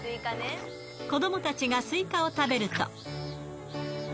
子どもたちがスイカを食べると。